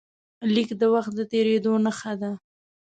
لیک د وخت د تېرېدو نښه ده.